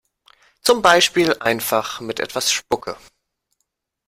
Zum Beispiel einfach mit etwas Spucke.